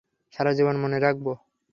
সারাজীবন মনে রাখবো!